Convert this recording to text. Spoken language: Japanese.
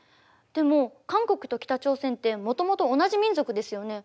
でも韓国と北朝鮮ってもともと同じ民族ですよね。